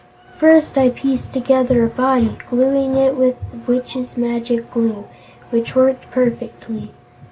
"First, I pieced together a body, gluing it with the Witch's Magic Glue, which worked perfectly.